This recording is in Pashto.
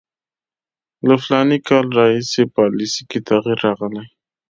له فلاني کال راهیسې پالیسي کې تغییر راغلی.